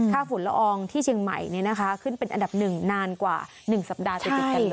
ฝุ่นละอองที่เชียงใหม่ขึ้นเป็นอันดับ๑นานกว่า๑สัปดาห์ติดกันเลย